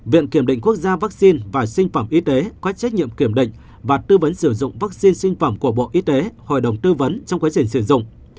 viện kiểm định quốc gia vaccine và sinh phẩm y tế có trách nhiệm kiểm định và tư vấn sử dụng vaccine sinh phẩm của bộ y tế hội đồng tư vấn trong quá trình sử dụng